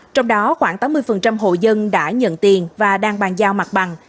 trong đó khoảng tám mươi hộ dân đã nhận tiền và đang bàn giao mặt bằng